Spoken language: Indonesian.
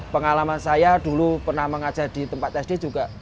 pengalaman saya dulu pernah mengajar di tempat sd juga